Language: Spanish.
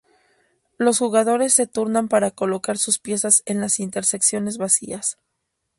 Los jugadores se turnan para colocar sus piezas en las intersecciones vacías.